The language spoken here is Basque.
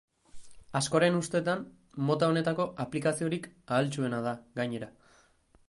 Askoren ustetan, mota honetako aplikaziorik ahaltsuena da, gainera.